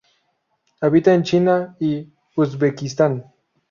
Habita en China y Uzbekistán.